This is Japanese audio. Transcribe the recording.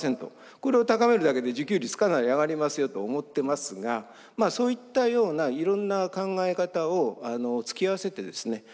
これを高めるだけで自給率かなり上がりますよと思ってますがまあそういったようないろんな考え方を突き合わせてですね